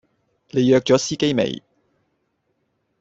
你約左司機未？